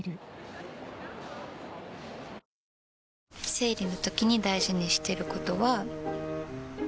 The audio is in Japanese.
生理のときに大事にしてることは。